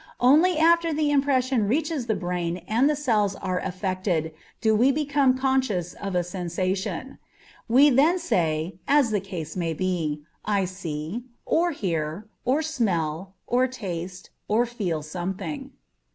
Only after the impression reaches the brain and the cells are affected, do we become conscious of a sensation. We then say, as the case may be, I see, or hear, or smell, or taste, or feel something.